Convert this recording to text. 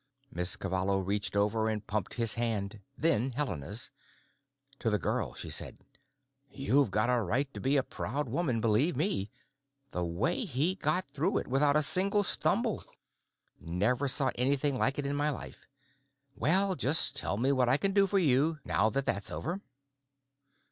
Miss Cavallo reached over and pumped his hand, then Helena's. To the girl she said, "You've got a right to be a proud woman, believe me. The way he got through it, without a single stumble! Never saw anything like it in my life. Well, just tell me what I can do for you, now that that's over."